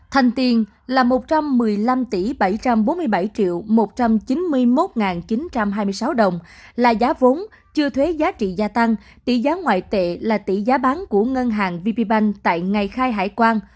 thành tiền là một trăm một mươi năm tỷ bảy trăm bốn mươi bảy một trăm chín mươi một chín trăm hai mươi sáu đồng là giá vốn chưa thuế giá trị gia tăng tỷ giá ngoại tệ là tỷ giá bán của ngân hàng vp bank tại ngày khai hải quan